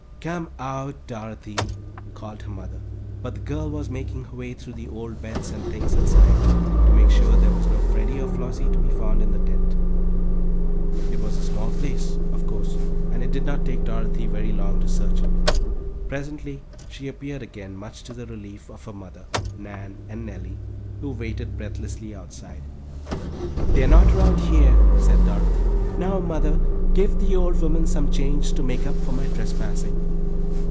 "Come out, Dorothy," called her mother, but the girl was making her way through the old beds and things inside, to make sure there was no Freddie or Flossie to be found in the tent. It was a small place, of course, and it did not take Dorothy very long to search it. Presently she appeared again, much to the relief of her mother, Nan, and Nellie, who waited breathlessly outside. "They are not around here," said Dorothy. "Now, mother, give the old woman some change to make up for my trespassing."